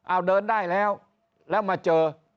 เอาเดินได้แล้วแล้วมาเจอ